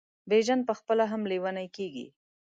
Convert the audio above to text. بیژن پخپله هم لېونی کیږي.